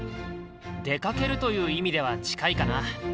出かけるという意味では近いかな。